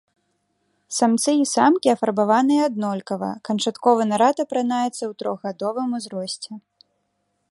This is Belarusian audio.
Самцы і самкі афарбаваныя аднолькава, канчатковы нарад апранаецца ў трохгадовым узросце.